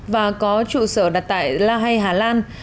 và có trụ sở đặt tại la hay hà lan